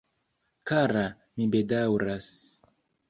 Kara, mi bedaŭras...